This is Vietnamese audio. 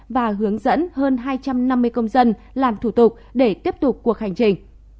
và hướng dẫn hơn hai trăm năm mươi công dân làm thủ tục để tiếp tục cuộc hành trình